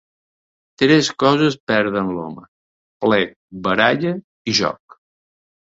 Tres coses perden l'home: plet, baralla i joc.